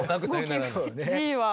Ｇは。